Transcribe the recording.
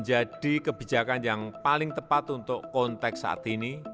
jadi kebijakan yang paling tepat untuk konteks saat ini